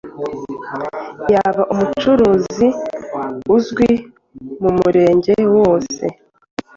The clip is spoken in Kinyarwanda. Yaba umucuruzi uzwi mu murenge wose